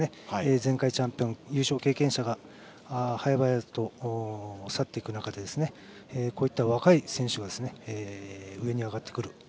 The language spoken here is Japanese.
前回チャンピオン、優勝経験者が早々と去っていく中でこうした若い選手が上に上がってくる。